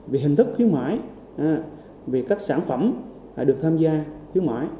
về hình thức khuyến mại về các sản phẩm được tham gia khuyến mại